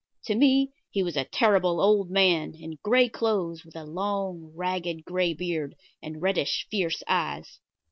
To me he was a terrible old man, in gray clothes, with a long, ragged, gray beard, and reddish, fierce eyes.